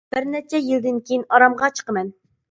بىر نەچچە يىلدىن كېيىن ئارامغا چىقىمەن.